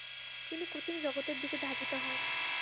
তিনি কোচিং জগতের দিকে ধাবিত হন।